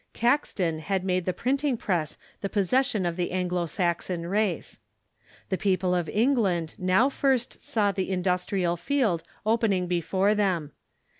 Caxton had made the printing press the possession of the An glo Saxon race. The people of England now first saw the in dustrial field opening before them.